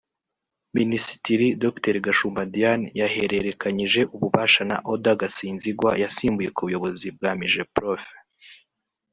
Minisitiri Dr Gashumba Diane yahererekanyije ububasha na Odda Gasinzigwa yasimbuye ku buyobozi bwa Migeprof